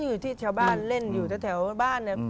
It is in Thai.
เล่นอยู่ที่ชาวบ้านเล่นอยู่แถวบ้าน